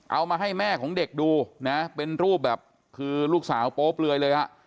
เอามาให้แม่ของเด็กดูนะเป็นรูปแบบคือลูกสาวโป๊เปลือยเลยฮะ